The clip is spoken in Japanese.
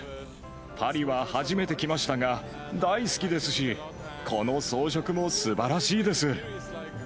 パリは初めて来ましたが、大好きですし、この装飾もすばらしいです。